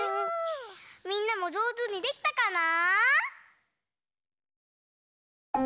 みんなもじょうずにできたかな？